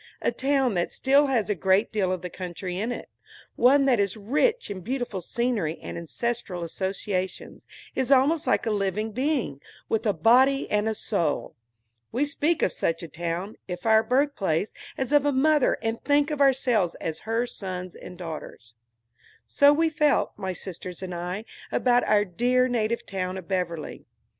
A town that still has a great deal of the country in it, one that is rich in beautiful scenery and ancestral associations, is almost like a living being, with a body and a soul. We speak of such a town, if our birthplace, as of a mother, and think of ourselves as her sons and daughters. So we felt, my sisters and I, about our dear native town of Beverly.